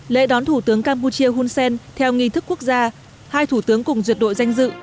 lễ đón thủ tướng campuchia hun sen theo nghi thức quốc gia hai thủ tướng cùng duyệt đội danh dự